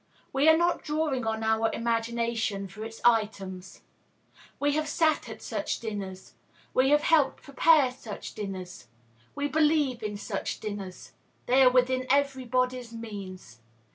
We are not drawing on our imagination for its items. We have sat at such dinners; we have helped prepare such dinners; we believe in such dinners; they are within everybody's means.